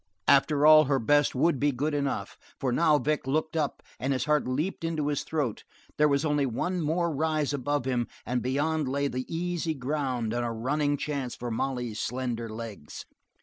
After all, her best would be good enough, for now Vic looked up and his heart leaped into his throat; there was only one more rise above him, and beyond lay the easy ground and a running chance for Molly's slender legs.